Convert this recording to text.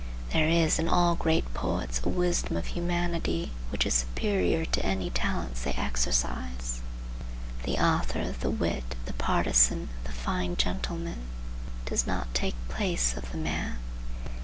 There is in all great poets a wisdom of humanity which is superior to any talents they exercise. The author, the wit, the partisan, the fine gentleman, does not take place of the man.